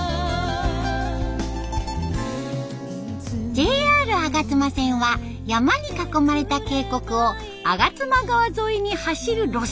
ＪＲ吾妻線は山に囲まれた渓谷を吾妻川沿いに走る路線。